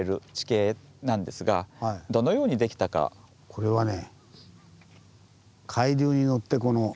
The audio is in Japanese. これはね